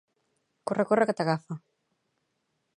Corre corre que t'agafa